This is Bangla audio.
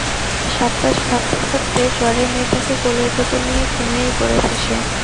সাতপাঁচ ভাবতে ভাবতে জ্বরের মেয়েটাকে কোলের ভেতর নিয়ে ঘুমিয়েই পড়েছে সে।